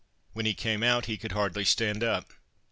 When he came out he could hardly stand up.